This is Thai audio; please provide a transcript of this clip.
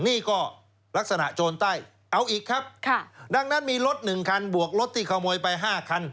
นี่ก็ลักษณะโจรใต้เอาอีกครับค่ะดังนั้นมีรถ๑คันบวกรถที่ขโมยไป๕คัน